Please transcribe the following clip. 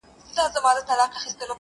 معلوميږي چي موسم رانه خفه دی-